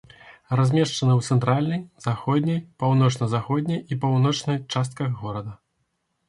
Размешчаны ў цэнтральнай, заходняй, паўночна-заходняй і паўночнай частках горада.